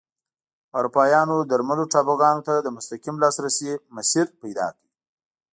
اروپایانو درملو ټاپوګانو ته د مستقیم لاسرسي مسیر پیدا کړ.